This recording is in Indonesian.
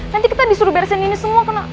nanti kita disuruh beresin ini semua kena